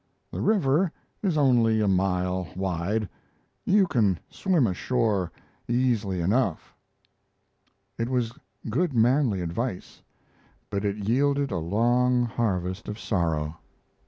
The river is only a mile wide. You can swim ashore easily enough." It was good manly advice, but it yielded a long harvest of sorrow.